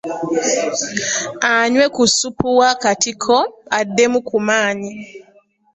Anyway ku ssupu w'akatiko oddemu ku maanyi.